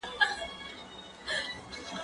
زه کولای سم کتابونه وليکم..